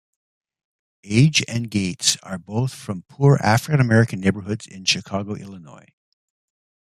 Agee and Gates are both from poor African-American neighborhoods in Chicago, Illinois.